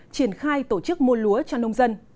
triển khai tổ chức mua lúa cho nông dân